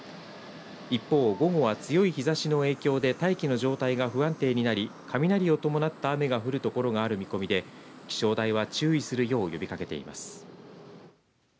一方、午後は強い日ざしの影響で大気の状態が不安定になり雷を伴った雨が降る所がある見込みで気象台は注意するよう呼びかけています。